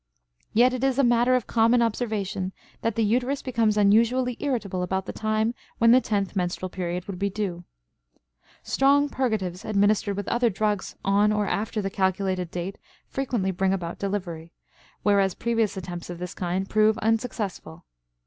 Yet it is a matter of common observation that the uterus becomes unusually irritable about the time when the tenth menstrual period would be due. Strong purgatives administered with other drugs on or after the calculated date frequently bring about delivery, whereas previous attempts of this kind prove unsuccessful.